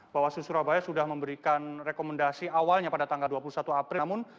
bawaslu surabaya sudah memberikan rekomendasi awalnya pada tanggal dua puluh satu april